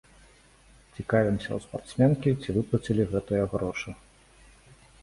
Цікавімся ў спартсменкі, ці выплацілі гэтыя грошы.